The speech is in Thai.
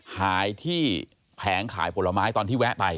หายที่แผงขายผลไม้ตอนที่แวะไป